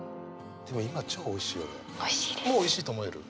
でも今超おいしいよね。